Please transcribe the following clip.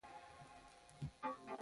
بادرنګ شین وي او بدن ته تازه والی ورکوي.